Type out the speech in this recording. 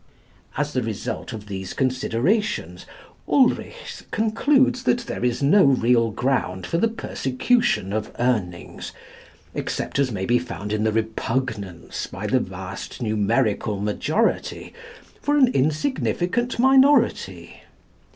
As the result of these considerations, Ulrichs concludes that there is no real ground for the persecution of Urnings except as may be found in the repugnance by the vast numerical majority for an insignificant minority.